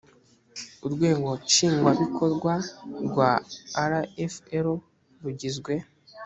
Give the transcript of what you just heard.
urwego nshingwabikorwa rwa rfl rugizwe